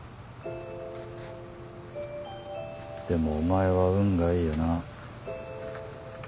でもお前は運がいいよな。